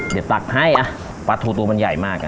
เดี๋ยวตักให้ปลาทูตัวมันใหญ่มาก